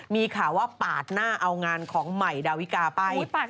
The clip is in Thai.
มีข่าวว่าปาดหน้าเอางานของใหม่ดาวิกาไป